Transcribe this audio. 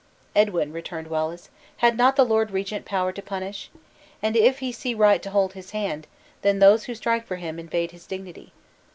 "Edwin," returned Wallace, "had not the lord regent power to punish? And if he see right to hold his hand, those who strike for him invade his dignity.